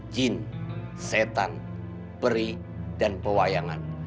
jin setan peri dan pewayangan